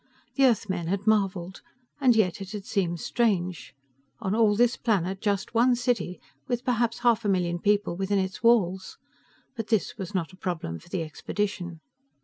The Earthmen had marveled, and yet, it had seemed strange. On all this planet, just one city with perhaps half a million people within its walls. But this was not a problem for the expedition.